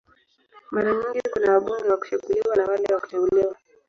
Mara nyingi kuna wabunge wa kuchaguliwa na wale wa kuteuliwa.